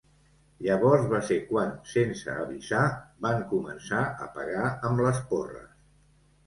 Llavors va ser quan, sense avisar, van començar a pegar amb les porres.